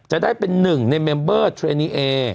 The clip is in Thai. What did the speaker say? จะได้เป็นหนึ่งในเมมเบอร์เทรนีเอ